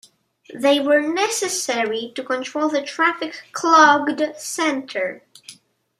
They were necessary to control the traffic-clogged center.